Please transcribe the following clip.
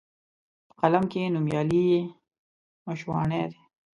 په قلم کښي نومیالي یې مشواڼي دي